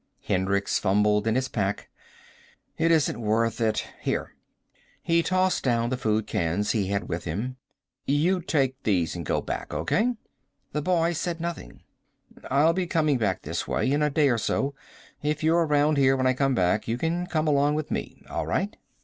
Hendricks fumbled in his pack. "It isn't worth it. Here." He tossed down the food cans he had with him. "You take these and go back. Okay?" The boy said nothing. "I'll be coming back this way. In a day or so. If you're around here when I come back you can come along with me. All right?"